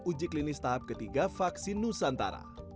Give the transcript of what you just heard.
uji klinis tahap ketiga vaksin nusantara